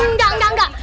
enggak enggak enggak